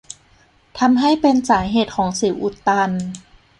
ทำให้เป็นสาเหตุของสิวอุดตัน